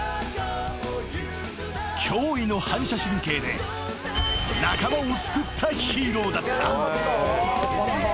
［驚異の反射神経で仲間を救ったヒーローだった］